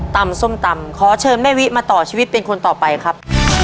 ส้มตำขอเชิญแม่วิมาต่อชีวิตเป็นคนต่อไปครับ